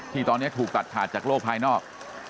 ที่ตอนนี้ถูกตัดขาดจากโลกภายนอก